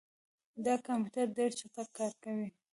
دا کمپیوټر ډېر چټک کار کوي.